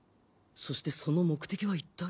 そしてその目的は一体